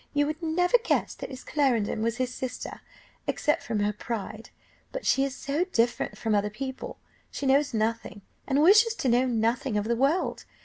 you would never guess that Miss Clarendon was his sister, except from her pride. But she is so different from other people; she knows nothing, and wishes to know nothing of the world.